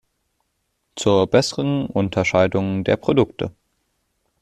Zur besseren Unterscheidung der Produkte.